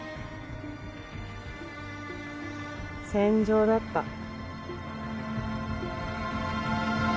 戦場だった。